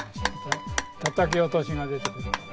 たたき落としが出てくるから。